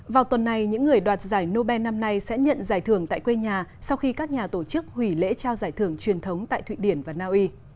vào tuần này những người đoạt giải nobel năm nay sẽ nhận giải thưởng tại quê nhà sau khi các nhà tổ chức hủy lễ trao giải thưởng truyền thống tại thụy điển và naui